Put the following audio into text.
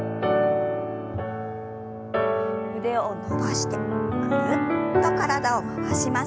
腕を伸ばしてぐるっと体を回します。